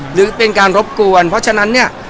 หรือเป็นการรบกวนเพราะฉะนั้นเนี่ย